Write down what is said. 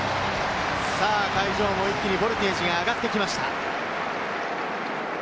会場も一気にボルテージが上がってきました。